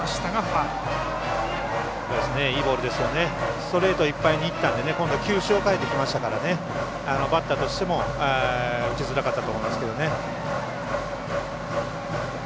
ストレートいっぱいにいったので今度は球種を変えてきましたからバッターとしても打ちづらかったと思います。